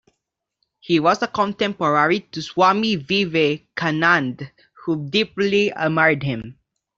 He was a contemporary to Swami Vivekanand, who deeply admired him.